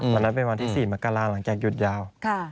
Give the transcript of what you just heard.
วันที่เป็นวันที่๔มกราหลังจากหยุดยาว